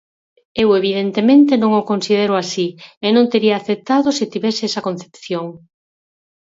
Eu evidentemente non o considero así e non tería aceptado se tivese esa concepción.